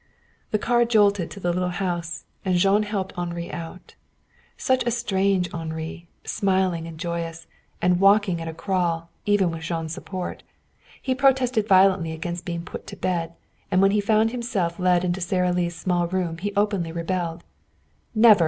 The car jolted to the little house, and Jean helped Henri out. Such a strange Henri, smiling and joyous, and walking at a crawl, even with Jean's support. He protested violently against being put to bed, and when he found himself led into Sara Lee's small room he openly rebelled. "Never!"